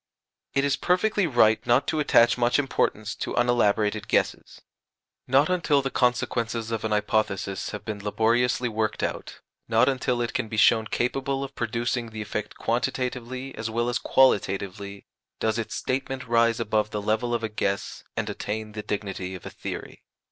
It is perfectly right not to attach much importance to unelaborated guesses. Not until the consequences of an hypothesis have been laboriously worked out not until it can be shown capable of producing the effect quantitatively as well as qualitatively does its statement rise above the level of a guess, and attain the dignity of a theory.